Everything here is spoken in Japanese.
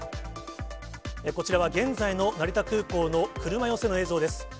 こちらは、現在の成田空港の車寄せの映像です。